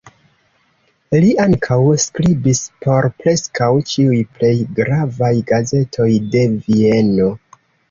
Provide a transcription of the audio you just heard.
Li ankaŭ skribis por preskaŭ ĉiuj plej gravaj gazetoj de Vieno.